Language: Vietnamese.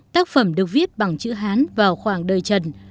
tác phẩm được viết bằng chữ hán vào khoảng đời trần